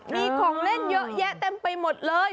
มีของเล่นเยอะแยะเต็มไปหมดเลย